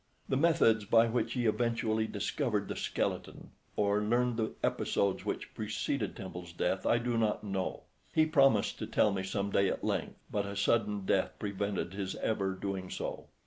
The methods by which he eventually discovered the skeleton, or learnt the episodes which preceded Temple's death, I do not know. He promised to tell me some day at length, but a sudden death prevented his ever doing so.